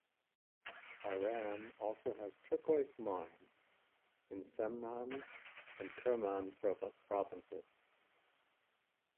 Iran also has turquoise mines in Semnan and Kerman provinces.